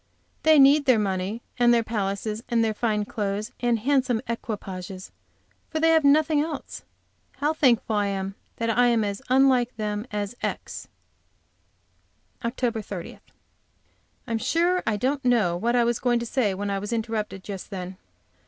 They need their money, and their palaces and their fine clothes and handsome equipages, for they have nothing else. How thankful I am that I am as unlike them as ex OCTOBER 30. I'm sure I don't know what I was going to say when I was interrupted just then.